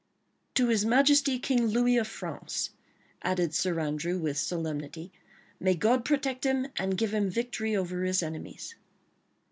"To His Majesty King Louis of France," added Sir Andrew, with solemnity. "May God protect him, and give him victory over his enemies."